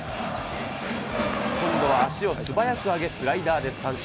今度は足を素早く上げ、スライダーで三振。